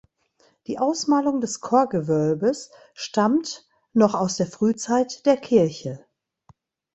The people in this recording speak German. Die Ausmalung des Chorgewölbes stammt noch aus der Frühzeit der Kirche.